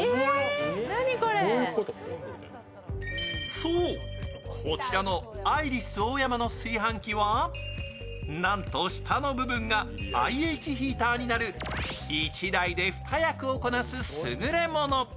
そう、こちらのアイリスオーヤマの炊飯器はなんと下の部分がＩＨヒーターになる１台で２役をこなすすぐれもの。